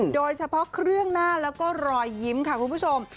โดยเฉพาะเครื่องหน้าแล้วก็รอยยิ้มค่ะคุณผู้ชม